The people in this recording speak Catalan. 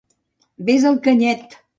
Ves al Canyet!